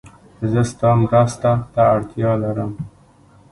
زه ستا مرسته ته اړتیا لرم.